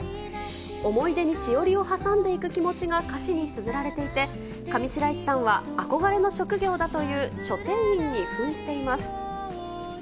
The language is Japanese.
思い出にしおりを挟んでいく気持ちが歌詞につづられていて、上白石さんは、憧れの職業だという書店員にふんしています。